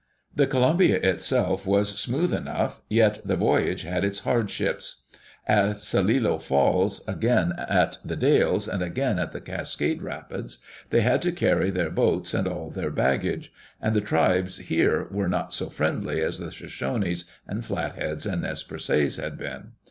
The Columbia itself was smooth enough, yet the voyage had its hardships. At Celilo Falls, again at The Dalles, and again at the Cascade Rapids, they had to carry their boats and all their baggage; and the tribes here were not so friendly as the Shoshones and Flatheads and Nez Perces had been.